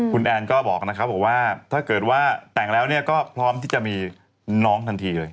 คุณแอนก็บอกนะครับบอกว่าถ้าเกิดว่าแต่งแล้วก็พร้อมที่จะมีน้องทันทีเลย